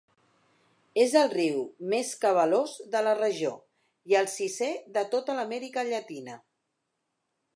És el riu més cabalós de la regió i el sisè de tota l'Amèrica Llatina.